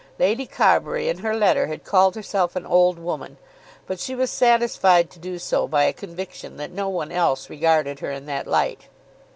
Lady Carbury in her letter had called herself an old woman, but she was satisfied to do so by a conviction that no one else regarded her in that light.